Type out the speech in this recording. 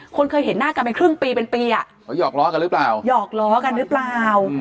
คนเคยเห็นหน้ากันเป็นครึ่งปีเป็นปีอ่ะเขาหยอกลอกันหรือเปล่า